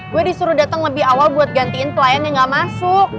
gue disuruh datang lebih awal buat gantiin klien yang gak masuk